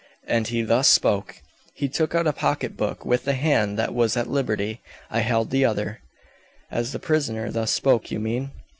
As he thus spoke, he took out a pocket book with the hand that was at liberty; I held the other " "As the prisoner thus spoke, you mean?"